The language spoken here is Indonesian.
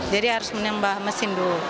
jadi harus menembah mesin dulu